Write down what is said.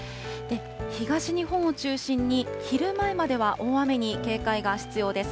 東日本を中心に昼前までは大雨に警戒が必要です。